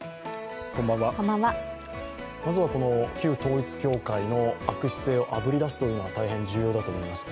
まずは、旧統一教会の悪質性をあぶり出すというのは大変重要だと思います。